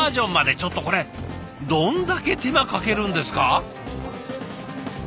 ちょっとこれどんだけ手間かけるんですか？